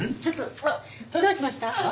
ちょっとどうしました？